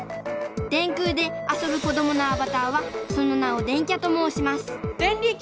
電空で遊ぶ子どものアバターはその名を「電キャ」ともうしますデンリキ！